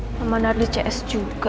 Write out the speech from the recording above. mama nardi cs juga